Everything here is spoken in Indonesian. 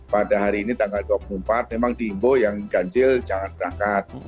pada hari ini tanggal dua puluh empat memang diimbo yang ganjil jangan berangkat